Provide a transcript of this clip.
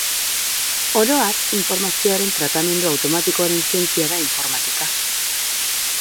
Oro har, informazioaren tratamendu automatikoaren zientzia da informatika.